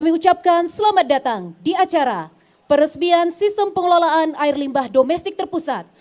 kami ucapkan selamat datang di acara peresmian sistem pengelolaan air limbah domestik terpusat